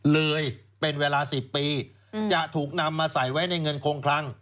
เลยเป็นเวลา๑๐ปีจะถูกนำมาใส่ไว้ในเงินคงคลัง